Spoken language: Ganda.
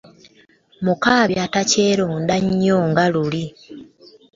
Mukaabya takyeronda nnyo nga luli.